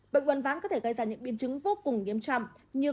bệnh uẩn ván có thể gây ra những biên chứng vô cùng nghiêm trọng như